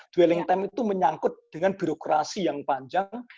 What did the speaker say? dwelling time itu menyangkut dengan birokrasi yang panjang